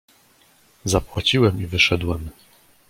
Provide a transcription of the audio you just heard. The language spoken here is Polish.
"Zapłaciłem i wyszedłem."